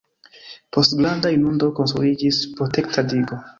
Post granda inundo konstruiĝis protekta digo.